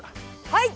はい！